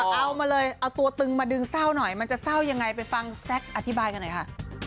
เอามาเลยเอาตัวตึงมาดึงเศร้าหน่อยมันจะเศร้ายังไงไปฟังแซ็กอธิบายกันหน่อยค่ะ